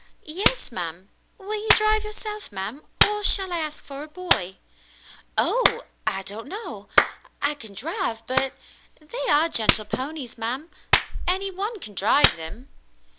"Yes, ma'm. Will you drive yourself, ma'm, or shall I ask for a boy ?" Oh! I don't know. I can drive — but —" They are gentle ponies, ma'm. Any one can drive them."